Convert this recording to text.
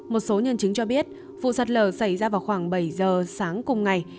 một số nhân chứng cho biết vụ sạt lở xảy ra vào khoảng bảy giờ sáng cùng ngày